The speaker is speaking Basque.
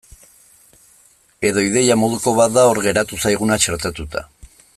Edo ideia moduko bat da hor geratu zaiguna txertatuta.